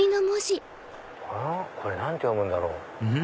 これ何て読むんだろう？ん？